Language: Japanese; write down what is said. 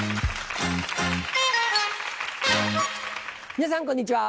皆さんこんにちは。